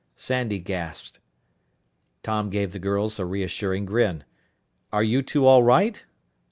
Sandy gasped. Tom gave the girls a reassuring grin. "Are you two all right?"